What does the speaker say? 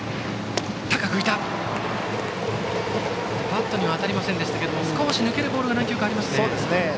バットには当たりませんでしたが少し抜けるボールが何球かあります。